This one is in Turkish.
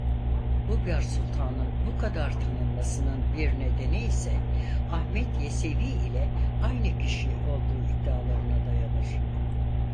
Hubyar Sultan'ın bu kadar tanınmasının bir nedeni ise Ahmed Yesevi ile aynı kişi olduğu iddialarına dayanır.